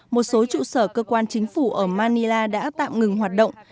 một số trụ sở cơ quan chính phủ ở manila đã tạm ngừng hoạt động